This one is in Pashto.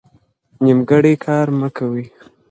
نیمګړی کار مه کوئ.